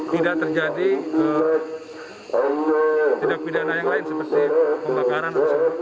tidak terjadi tidak pilihan yang lain seperti pembakaran